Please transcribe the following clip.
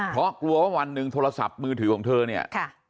เพราะกลัวว่าวันหนึ่งโทรศัพท์มือถือของเธอเนี่ย